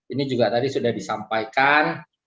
ini juga tadi sudah disampaikan